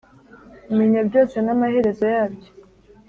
umenya byose n'amaherezo yabyo